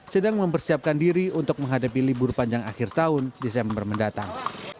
sedang mempersiapkan diri untuk menghadapi libur panjang akhir tahun desember mendatang